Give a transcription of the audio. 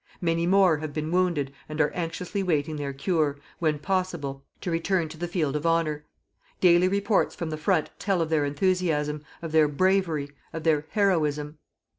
Many more have been wounded and are anxiously waiting their cure, when possible, to return to the field of honour. Daily reports from the front tell of their enthusiasm, of their bravery, of their heroism!